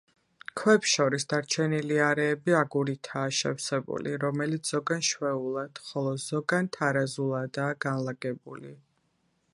ქვებს შორის დარჩენილი არეები აგურითაა შევსებული, რომელიც ზოგან შვეულად, ხოლო ზოგან თარაზულადაა განლაგებული.